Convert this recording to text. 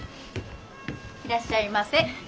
いらっしゃいませ。